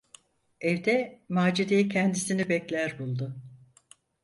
Evde Macide’yi kendisini bekler buldu.